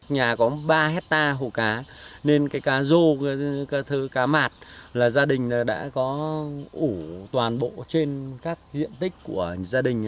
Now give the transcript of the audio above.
nhà có ba hectare hồ cá nên cái cá rô cá thơ cá mạt là gia đình đã có ủ toàn bộ trên các diện tích của gia đình